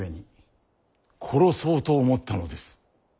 殺そうと思ったのです。